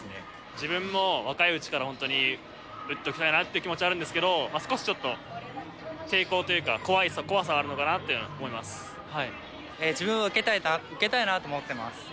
自分も若いうちから本当に打っときたいなっていう気持ちはあるんですけど、少しちょっと抵抗というか、自分は受けたいなと思ってます。